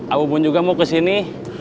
abu bun juga mau kesini